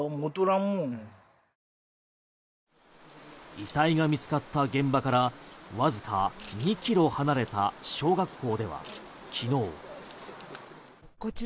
遺体が見つかった現場からわずか２ｋｍ離れた小学校では昨日。